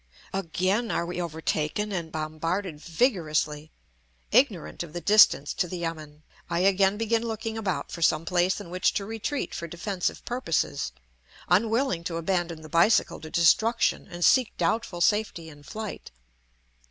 Again are we overtaken and bombarded vigorously; ignorant of the distance to the yamen, I again begin looking about for some place in which to retreat for defensive purposes, unwilling to abandon the bicycle to destruction and seek doubtful safety in flight.